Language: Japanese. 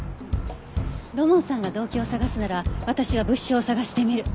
土門さんが動機を探すなら私は物証を探してみる。